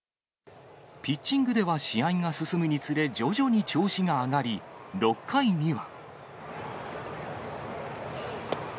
ピッチングでは試合が進むにつれ、徐々に調子が上がり、６回には。